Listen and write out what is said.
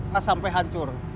gak sampai hancur